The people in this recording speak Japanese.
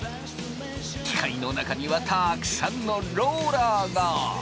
機械の中にはたくさんのローラーが！